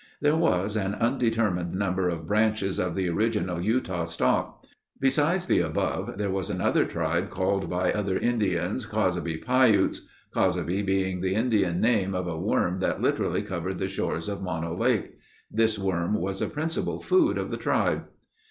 There was an undetermined number of branches of the original Utah stock. Besides the above, there was another tribe called by other Indians, Cozaby Piutes, Cozaby being the Indian name of a worm that literally covered the shores of Mono Lake. This worm was a principal food of the tribe.